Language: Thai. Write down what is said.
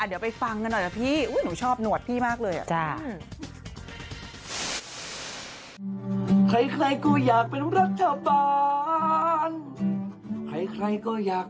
เดี๋ยวไปฟังกันหน่อยนะพี่หนูชอบหนวดพี่มากเลยอ่ะ